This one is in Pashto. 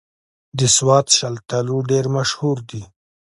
د سوات شلتالو ډېر مشهور دي